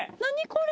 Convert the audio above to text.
これ。